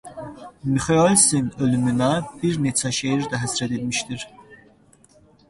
Mixoelsin ölümünə bir neçə şeir də həsr edilmişdir.